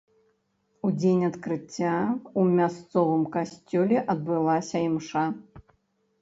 У дзень адкрыцця ў мясцовым касцёле адбылася імша.